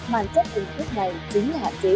màn chất hình thức này chính là hạ chế